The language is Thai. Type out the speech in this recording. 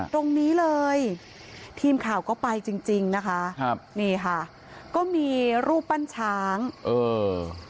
ตรงนี้เลยทีมข่าวก็ไปจริงจริงนะคะครับนี่ค่ะก็มีรูปปั้นช้างเออ